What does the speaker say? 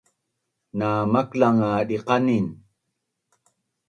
na maklang nga diqanin